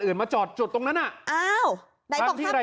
เราก็เข้าข้างไป